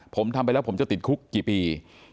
ผมทำไปแล้วผมจะติดคุกกี่ปี